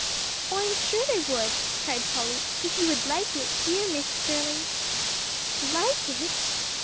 "Oh, I am sure they would," cried Polly, "if you would like it, dear Mrs. Sterling." "_Like it!